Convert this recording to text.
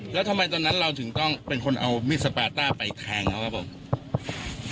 แล้วทำไมตอนนั้นเราถึงต้องเป็นคนเอามีดสปาต้าไปแทงเขาครับผม